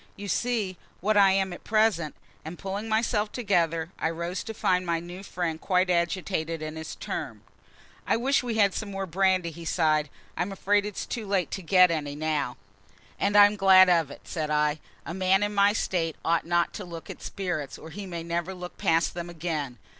"You see what I am at present." And, pulling myself together, I rose to find my new friend quite agitated in his turn. "I wish we had some more brandy," he sighed. "I'm afraid it's too late to get any now." "And I'm glad of it," said I. "A man in my state ought not to look at spirits, or he may never look past them again.